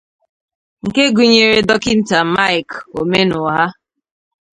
nke gụnyere Dọkịta Mike Omenugha